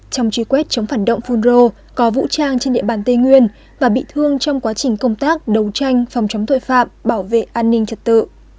trong trí quyết chống phản động funro có vũ trang trên địa bàn tây nguyên và bị thương trong quá trình công tác đấu tranh phòng chống tội phạm bảo vệ an ninh thật tự